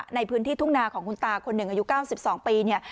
ในพื้นที่ทุ่งนาของคุณตาคนหนึ่งอายุ๙๒ปีเนี่ย